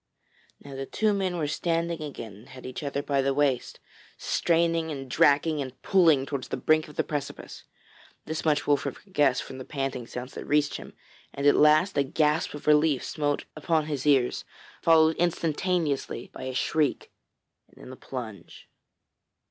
Now the two men were standing again and had each other by the waist, straining and dragging and pulling towards the brink of the precipice. This much Wolfert could guess from the panting sounds that reached him, and at last a gasp of relief smote upon his ears followed instantaneously by a shriek and then a plunge.